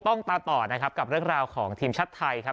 ต้องตามต่อนะครับกับเรื่องราวของทีมชาติไทยครับ